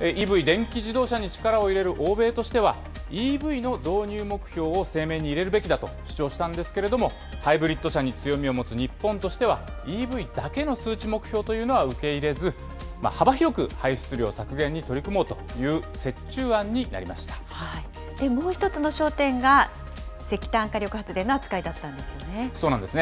ＥＶ・電気自動車に力を入れる欧米としては、ＥＶの導入目標を声明に入れるべきだと主張したんですけれども、ハイブリッド車に強みを持つ日本としては、ＥＶだけの数値目標というのは受け入れず、幅広く排出量削減に取り組もうという折衷案もう一つの焦点が、石炭火力そうなんですね。